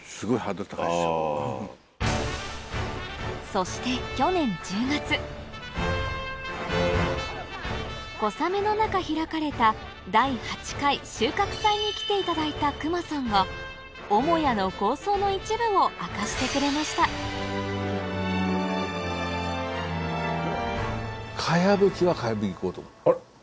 そして去年１０月小雨の中開かれた第８回収穫祭に来ていただいた隈さんは母屋の構想の一部を明かしてくれました茅葺きでいこうと思ってる。